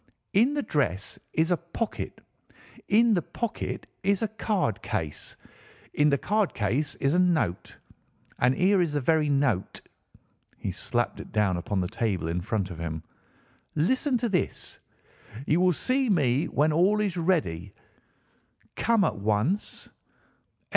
"In the dress is a pocket. In the pocket is a card case. In the card case is a note. And here is the very note." He slapped it down upon the table in front of him. "Listen to this: 'You will see me when all is ready. Come at once.